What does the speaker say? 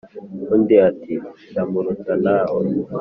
undi ati: "ndamuruta na we."